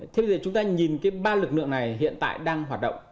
thế bây giờ chúng ta nhìn cái ba lực lượng này hiện tại đang hoạt động